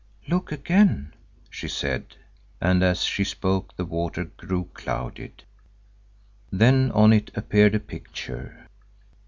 "Look again," she said, and as she spoke the water grew clouded. Then on it appeared a picture.